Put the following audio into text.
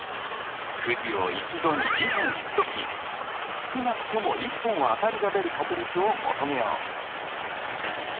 くじを１度に２本引くとき少なくとも１本は当たりが出る確率を求めよう。